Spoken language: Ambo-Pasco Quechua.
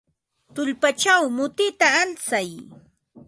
Tullpachaw mutita alsay.